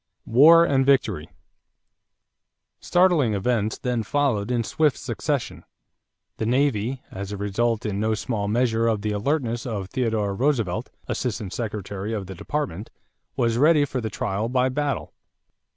=War and Victory.= Startling events then followed in swift succession. The navy, as a result in no small measure of the alertness of Theodore Roosevelt, Assistant Secretary of the Department, was ready for the trial by battle.